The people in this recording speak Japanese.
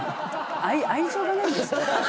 愛情がないんですよ。